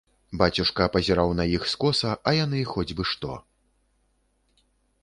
Бацюшка пазіраў на іх скоса, а яны хоць бы што.